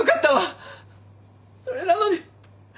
それなのに。